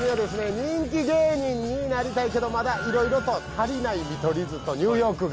人気芸人になりたいけどまだいろいろと足りない見取り図とニューヨークが。